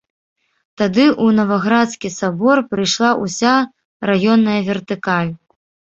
Тады ў наваградскі сабор прыйшла ўся раённая вертыкаль.